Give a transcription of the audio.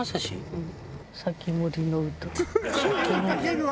うん。